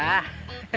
masa sih cep